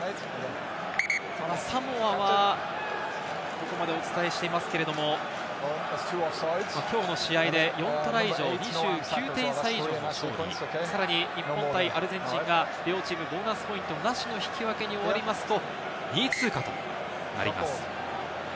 サモアはここまでお伝えしていますけれど、きょうの試合で４トライ以上、２９点差以上の勝利、さらには日本対アルゼンチンが両チーム、ボーナスポイントなしの引き分けに終わりますと２位通過となります。